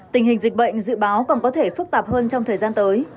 tình hình dịch bệnh dự báo còn có thể phức tạp hơn trong thời gian tới